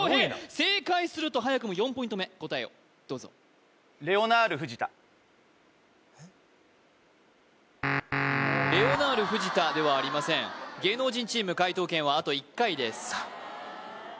正解すると早くも４ポイント目答えをどうぞレオナール・フジタではありません芸能人チーム解答権はあと１回です